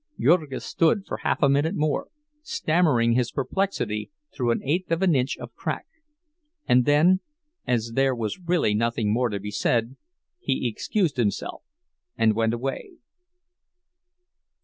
Jurgis stood for half a minute more, stammering his perplexity through an eighth of an inch of crack; and then, as there was really nothing more to be said, he excused himself and went away.